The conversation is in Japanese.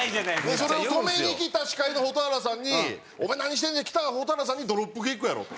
それを止めにきた司会の蛍原さんに「お前何してんねん！」って来た蛍原さんにドロップキックやろと。